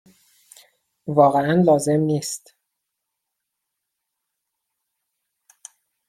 واقعا لازم نیست.